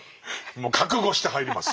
もう覚悟して入ります。